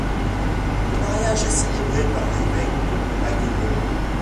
Le mariage est célébré par l'évêque de Maguelone.